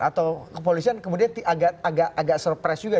atau kepolisian kemudian agak surprise juga